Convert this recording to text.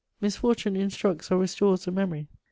Misfortune instructs or restores the memory.